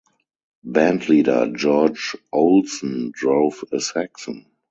Band leader George Olsen drove a Saxon.